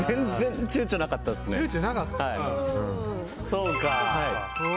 そうか。